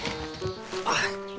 あっ！